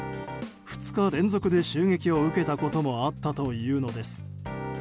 ２日連続で襲撃を受けたこともあったというのです。